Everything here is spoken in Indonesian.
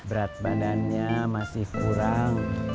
berat badannya masih kurang